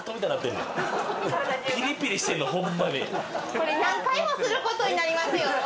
これ何回もすることになりますよ。